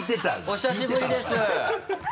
お久しぶりです。